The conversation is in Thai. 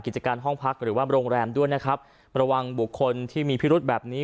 กิจการห้องพักหรือว่าโรงแรมด้วยนะครับระวังบุคคลที่มีพิรุธแบบนี้